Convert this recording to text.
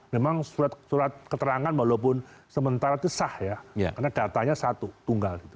memang surat keterangan walaupun sementara itu sah ya karena datanya satu tunggal